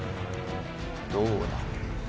どうだ？